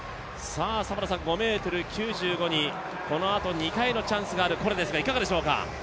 ５ｍ９５にこのあと２回のチャンスがあるコレですがいかがでしょうか？